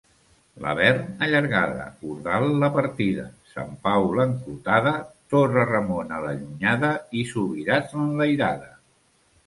Lavern, allargada; Ordal, la partida; Sant Pau, l'enclotada; Torre-ramona, l'allunyada, i Subirats, l'enlairada.